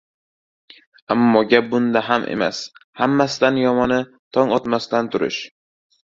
Ammo gap bunda ham emas. Hammasidan yomoni — tong otmasdan turish.